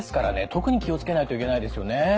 特に気を付けないといけないですよね。